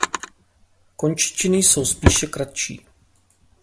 Končetiny jsou spíše kratší.